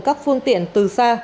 các phương tiện từ xa